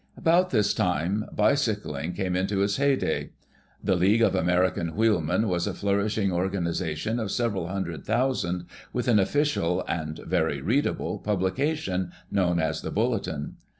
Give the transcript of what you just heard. About this time bicycling came into its heyday. The League of American Wheelmen was a flourishing organiza tion of several hundred thousand with an official (and very readable) pulilication known as tlie Bulletin.